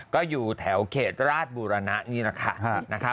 ก็อยู่แถวเขตราชบูรณะนี่แหละค่ะ